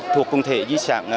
thuộc công thể di sản